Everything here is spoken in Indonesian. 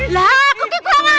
lah aku kagetan lagi apa